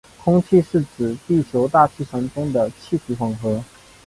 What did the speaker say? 空气是指地球大气层中的气体混合。